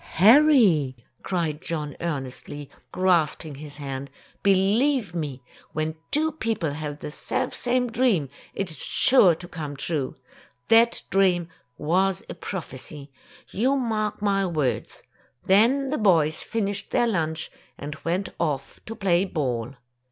"Harry," cried John earnestly, grasping his hand; "believe me, when two people have the selfsame dream, it is sure to come true. That dream was a prophecy. You mark my words!" Then the boys finished their lunch, and went off to play ball.